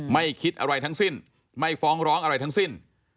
ไม่คิดอะไรทั้งสิ้นไม่ฟ้องร้องอะไรทั้งสิ้น